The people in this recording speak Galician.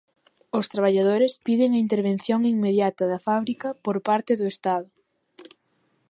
Os traballadores piden a intervención inmediata da fábrica por parte do Estado.